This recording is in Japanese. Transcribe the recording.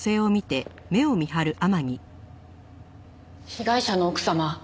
被害者の奥様